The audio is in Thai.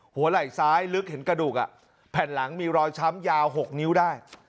หัวไหล่ซ้ายลึกเห็นกระดูกแผ่นหลังมีรอยช้ำยาว๖นิ้วได้